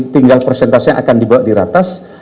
tinggal prosentasenya akan dibawa di ratas